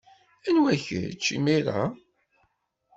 Anwa kečč, imir-a?